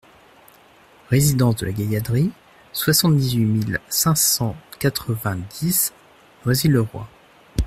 Résidence de la Gaillarderie, soixante-dix-huit mille cinq cent quatre-vingt-dix Noisy-le-Roi